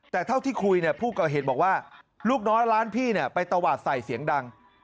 แต่เท่าที่คุยผู้ก่อเหตุบอกว่าลูกน้อยร้านพี่ไปตวาดใส่เสียงดัง